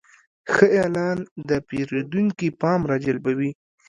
ښه اعلان د پیرودونکي پام راجلبوي.